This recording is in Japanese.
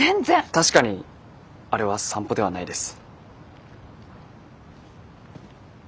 確かにあれは散歩ではないです。